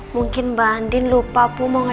mungkin mbak andin lupa bu mau ngajak